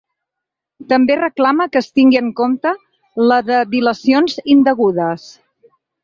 També reclama que es tingui en compte la de dilacions indegudes.